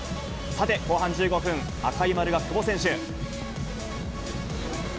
さて、後半１５分、赤い丸が久保選手。